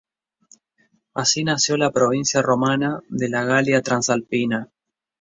Así nació la provincia romana de la Galia Transalpina.